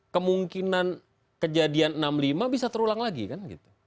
kemungkinan kejadian enam puluh lima bisa terulang lagi kan gitu